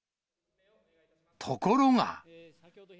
ところが。